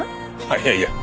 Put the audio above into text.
あっいやいや。